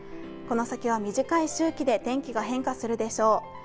この先は短い周期で天気が変化するでしょう。